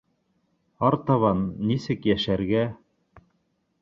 Артабан нисек йәшәргә?